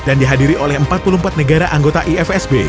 dan dihadiri oleh empat puluh empat negara anggota ifsb